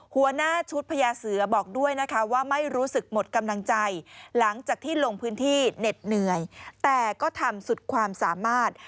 หัวหน้าชุดพญาเสือบอกด้วยนะคะว่าไม่รู้สึกหมดกำลังใจหลังจากที่ลงพื้นที่เหน็ดเหนื่อยแต่ก็ทำสุดความสามารถ